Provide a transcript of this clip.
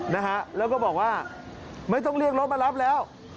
นะฮะแล้วก็บอกว่าไม่ต้องเรียกรถมารับแล้ว